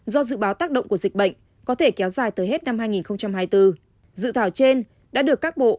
do dự báo tác động của dịch bệnh có thể kéo dài tới hết năm hai nghìn hai mươi bốn dự thảo trên đã được các bộ